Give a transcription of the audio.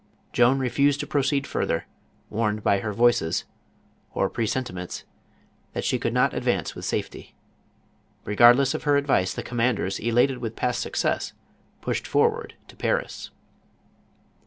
Joan refused to proceed further, warned by her voices, or presentiment, that she could not advance with safety. Regardless of her advice, the commanders, elated with past success, pushed forward to Paris.